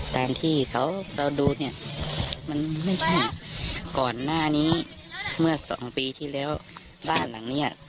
ตามที่เขาเราดูเนี่ยมันไม่ใช่ก่อนหน้านี้เมื่อสองปีที่แล้วบ้านหลังเนี้ย